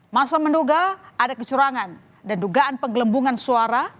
masa menduga ada kecurangan dan dugaan penggelembungan suara